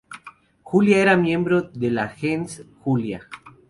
Julia era miembro de la "gens" Julia.